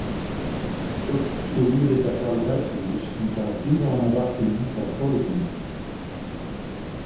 Soks soe liede ta kwaliteitsferlies en ta tige lange wachttiden foar de polyklinyk.